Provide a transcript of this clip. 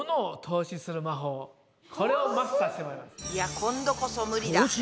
いや今度こそ無理だ。